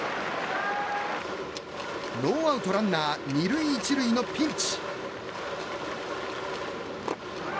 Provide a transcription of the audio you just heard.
ノーアウトランナー２塁１塁のピンチ。